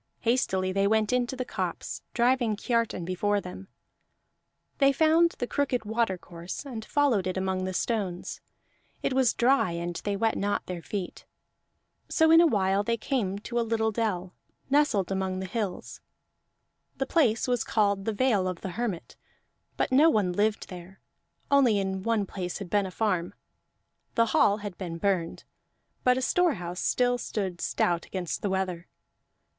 Hastily they went into the copse, driving Kiartan before them; they found the crooked watercourse and followed it among the stones; it was dry and they wet not their feet. So in a while they came to a little dell, nestled among the hills; the place was called the Vale of the Hermit. But no one lived there, only in one place had been a farm; the hall had been burned, but a storehouse still stood stout against the weather.